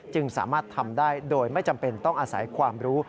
สามารถทำได้โดยไม่จำเป็นต้องอาศัยความรู้